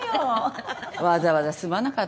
わざわざすまなかったね。